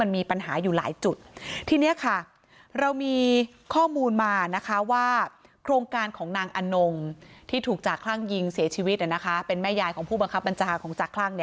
มานะคะว่าโครงการของนางอนงที่ถูกจากคลั่งยิงเสียชีวิตนะคะเป็นแม่ยายของผู้บังคับบัญชาของจักรคลั่งเนี่ย